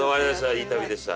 いい旅でした。